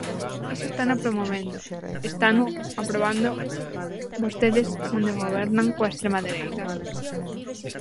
Iso estano promovendo, estano aprobando vostedes onde gobernan coa extrema dereita.